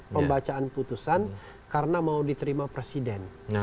pembacaan putusan karena mau diterima presiden